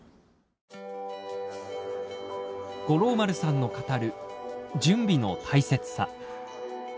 五郎丸さんの語る準備の大切さ。